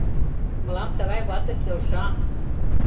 Мылам тыгай вате келша.